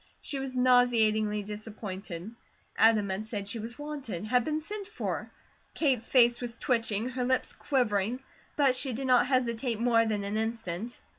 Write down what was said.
She was nauseatingly disappointed. Adam had said she was wanted, had been sent for. Kate's face was twitching, her lips quivering, but she did not hesitate more than an instant.